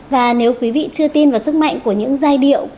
và nếu quý vị chưa tin vào sức mạnh của những giai điệu